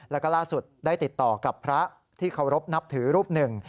แล้วก็ล่าสุดได้ติดต่อกับพระที่เคารพนับถือรูปหนึ่ง